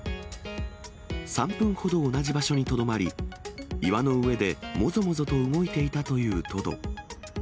３分ほど同じ場所にとどまり、岩の上でもぞもぞと動いていたというトド。